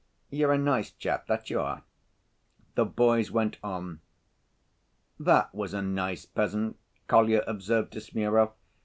You are a nice chap, that you are." The boys went on. "That was a nice peasant," Kolya observed to Smurov.